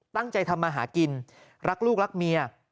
ตั้งใจทำมาหากินรักลูกรักเมีย